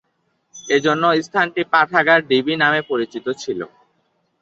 এজন্য স্থানটি পাঠাগার ঢিবি নামে পরিচিত ছিল।